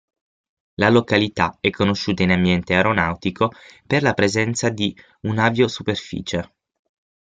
La località è conosciuta in ambiente aeronautico, per la presenza di un'aviosuperfice.